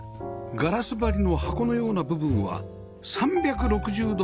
ガラス張りの箱のような部分は３６０度の高窓